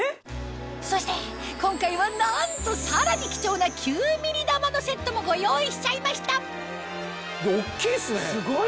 そして今回はなんとさらに貴重なもご用意しちゃいました大っきいすね！